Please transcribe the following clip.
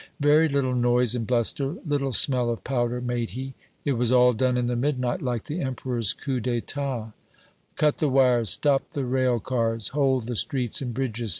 Very little noise and bluster, little smell of powder, made he ; It wag all done in the midnight, like the Emperor's coup d'etat :" Cut the wires : stop the rail cars : hold the streets and bridges!"